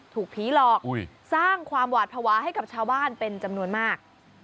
ถูกผีหลอกสร้างความหวาดภาวะให้กับชาวบ้านเป็นจำนวนมาก